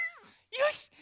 よし。